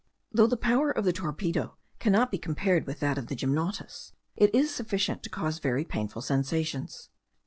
Though the power of the torpedo cannot be compared with that of the gymnotus, it is sufficient to cause very painful sensations.